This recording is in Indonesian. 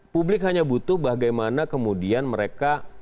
publik hanya butuh bagaimana kemudian mereka